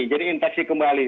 jadi infeksi kembali